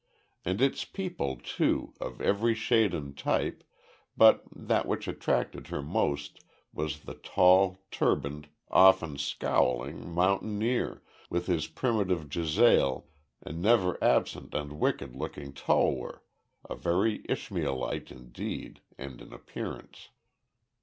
And its people, too, of every shade and type, but that which attracted her most, was the tall, turbaned, often scowling, mountaineer, with his primitive jezail and never absent and wicked looking tulwar a very Ishmaelite in deed and in appearance.